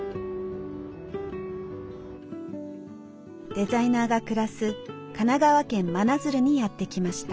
デザイナーが暮らす神奈川県真鶴にやって来ました。